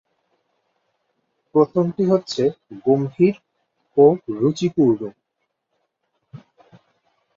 প্রথমটি হচ্ছে গম্ভীর ও রুচিপূর্র।